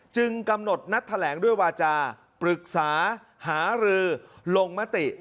กำหนดนัดแถลงด้วยวาจาปรึกษาหารือลงมติ